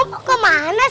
fatoldo di mana kalau